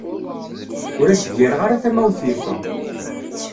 Ur as-gireɣ ara tamawt yeffeɣ.